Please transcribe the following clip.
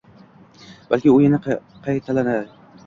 balki u yana qaytalaydi.